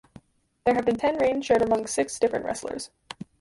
There have been ten reigns shared among six different wrestlers.